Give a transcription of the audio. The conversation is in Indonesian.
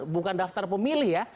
bukan daftar pemilih ya